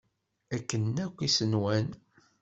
Akken akk i s-nwan.